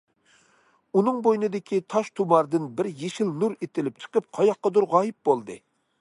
ئۇنىڭ بوينىدىكى تاش تۇماردىن بىر يېشىل نۇر ئېتىلىپ چىقىپ قاياققىدۇر غايىب بولدى.